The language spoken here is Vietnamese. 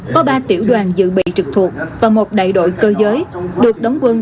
có ba tiểu đoàn dự bị trực thuộc và một đại đội cơ giới được đóng quân